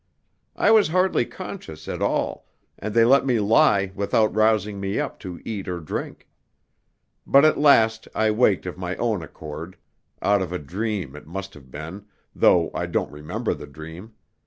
I was hardly conscious at all, and they let me lie without rousing me up to eat or drink. But at last I waked of my own accord, out of a dream, it must have been, though I don't remember the dream.